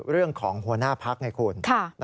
เรื่องของหัวหน้าพักษณ์ไงคุณ